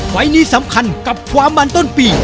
ไฟล์นี้สำคัญกับความมันต้นปี